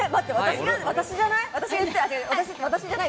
私じゃない？